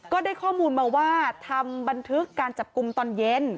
ก็ได้ข้อมูลมาว่าทำบันทึกการจับกลุ่มตอนเย็น